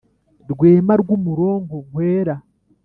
Rwema rw’umuronko nkwera